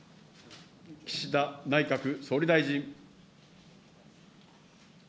岸田内閣総理大臣。